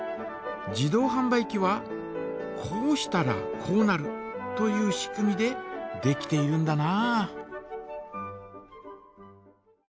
自動はん売機はこうしたらこうなるという仕組みでできているんだな。